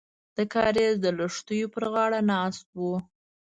د کاریز د لښتیو پر غاړه ناست وو.